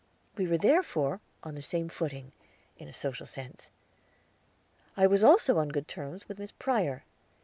We were therefore on the same footing, in a social sense. I was also on good terms with Miss Prior.